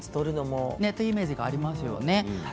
そういうイメージがありますよね。